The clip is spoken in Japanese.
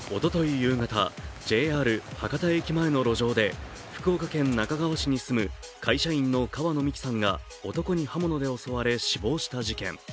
夕方、ＪＲ博多駅前の路上で福岡県那珂川市に住む会社員の川野美樹さんが男に刃物で襲われ死亡した事件。